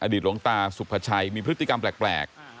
หลวงตาสุภาชัยมีพฤติกรรมแปลก